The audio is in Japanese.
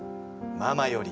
ママより」。